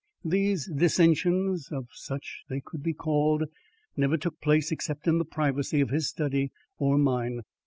These dissensions if such they could be called never took place except in the privacy of his study or mine.